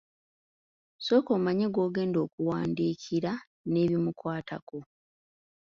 Sooka omanye gw'ogenda okuwandiikira n'ebimukwatako.